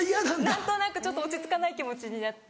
何となくちょっと落ち着かない気持ちになって。